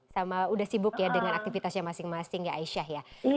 sama udah sibuk ya dengan aktivitasnya masing masing ya aisyah ya